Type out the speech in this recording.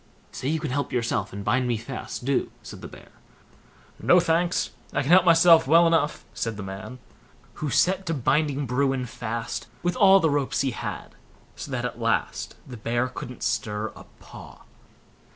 "Say you can help yourself, and bind me fast, do", said the Bear. "No, thanks, I can help myself well enough", said the man, who set to binding Bruin fast with all the ropes he had, so that at last the bear couldn't stir a paw.